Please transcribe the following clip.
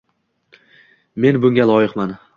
men bunga loyiqman!